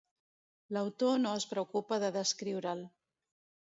L'autor no es preocupa de descriure'l.